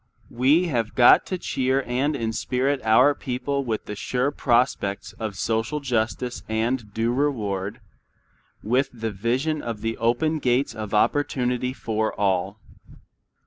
We have got to cheer and inspirit our people with the sure prospects of social justice and due reward, with the vision of the open gates of opportunity for all.